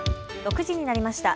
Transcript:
６時になりました。